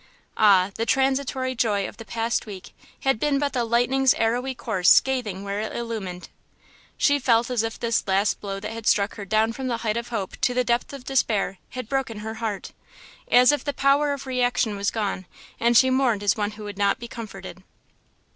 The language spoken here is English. Ah! the transitory joy of the past week had been but the lightning's arrowy course scathing where it illumined! She felt as if this last blow that had struck her down from the height of hope to the depth of despair had broken her heart, as if the power of reaction was gone, and she mourned as one who would not be comforted.